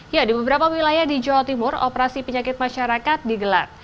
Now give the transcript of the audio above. ya di beberapa wilayah di jawa timur operasi penyakit masyarakat digelar